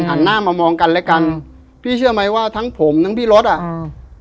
หันหน้ามามองกันและกันพี่เชื่อไหมว่าทั้งผมทั้งพี่รถอ่ะอืม